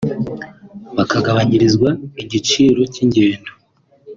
bakagabanyirizwa igiciro cy’ingendo